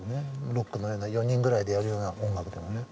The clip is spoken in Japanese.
ロックのような４人ぐらいでやるような音楽ではね。